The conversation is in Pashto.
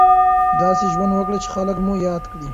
داسې ژوند وکړئ چې خلک مو یاد کړي.